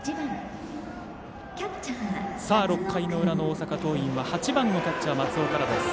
６回の裏、大阪桐蔭は８番キャッチャーの松尾から。